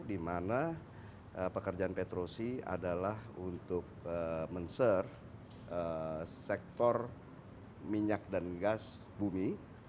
di mana pekerjaan petrosi adalah untuk men surve sektor minyak dan gas bumi